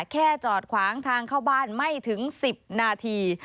จอดขวางทางเข้าบ้านไม่ถึง๑๐นาที